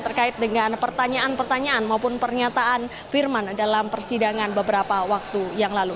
terkait dengan pertanyaan pertanyaan maupun pernyataan firman dalam persidangan beberapa waktu yang lalu